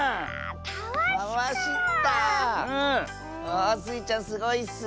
あスイちゃんすごいッス！